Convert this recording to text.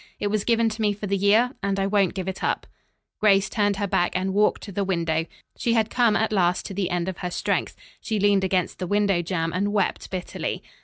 It was given to me for the year, and I won't give it up." Grace turned her back and walked to the window. She had come at last to the end of her strength. She leaned against the window jamb and wept bitterly.